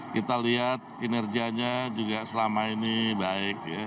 kita lihat kinerjanya juga selama ini baik ya